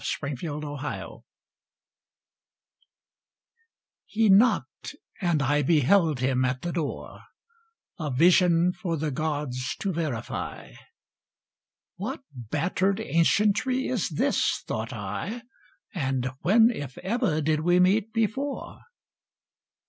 i I I94| ALMA MATER He knocked, and I beheld him at the doo A vision for the gods to verify. "What battered ancientry is this," thought I, And when, if ever, did we meet before?"